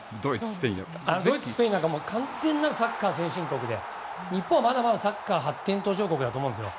スペイン、ドイツは完全なるサッカー先進国で日本はまだまだサッカー発展途上国だと思うんですよ。